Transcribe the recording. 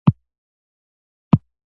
اوس ویلای شو چې کوم جوړښت عادلانه دی.